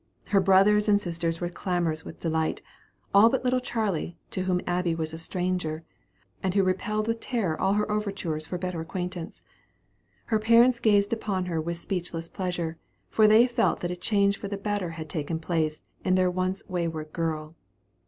Her brothers and sisters were clamorous with delight, all but little Charley, to whom Abby was a stranger, and who repelled with terror all her overtures for a better acquaintance. Her parents gazed upon her with speechless pleasure, for they felt that a change for the better had taken place in their once wayward girl.